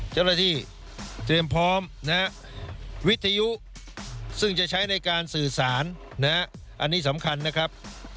เจ้าหน้าที่เตรียมพร้อมวิทยุซึ่งจะใช้ในการสื่อสารอันนี้สำคัญนะครับ